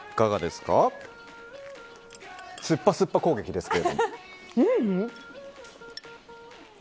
すっぱすっぱ攻撃ですけれども。